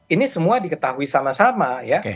ini semua diketahui sama sama ya